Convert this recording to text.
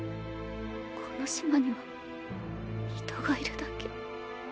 この島には人がいるだけ。